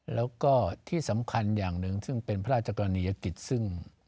แล้วก็ที่สำคัญอย่างหนึ่งซึ่งเป็นพระราชกรณียกิจซึ่ง